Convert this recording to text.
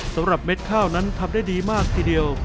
เม็ดข้าวนั้นทำได้ดีมากทีเดียว